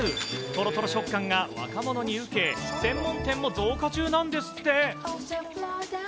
とろとろ食感が若者に受け、専門店も増加中なんですって。